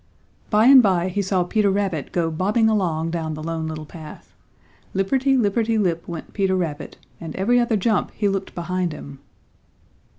By and by he saw Peter Rabbit go bobbing along down the Lone Little Path. Lipperty, lipperty, lip, went Peter Rabbit and every other jump he looked behind him.